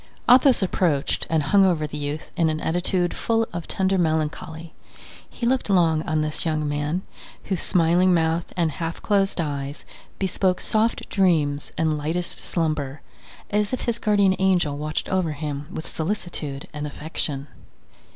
Athos approached and hung over the youth in an attitude full of tender melancholy; he looked long on this young man, whose smiling mouth and half closed eyes bespoke soft dreams and lightest slumber, as if his guardian angel watched over him with solicitude and affection.